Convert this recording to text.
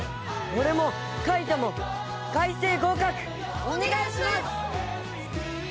俺も海斗も開成合格！お願いします！